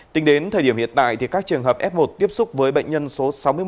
tính đến thời điểm hiện tại các trường hợp f một tiếp xúc với bệnh nhân số sáu mươi một